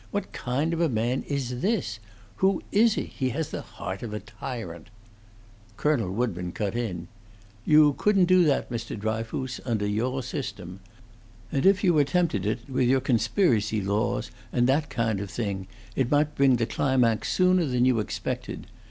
What kind of man is this? Who is he? He has the heart of a tyrant." Colonel Woodburn cut in. "You couldn't do that, Mr. Dryfoos, under your system. And if you attempted it, with your conspiracy laws, and that kind of thing, it might bring the climax sooner than you expected.